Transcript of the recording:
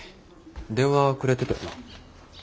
電話くれてたよな。